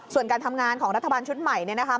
ส่วนการทำงานของรัฐบาลชุดใหม่เนี่ยนะคะ